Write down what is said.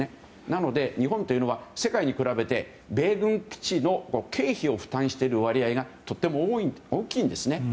なので、日本というのは世界と比べて米軍基地の経費を負担している割合がとても大きいんですね。